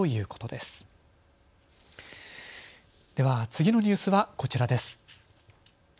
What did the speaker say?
では、次のニュースはこちらです。